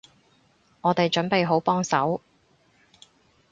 我哋準備好幫手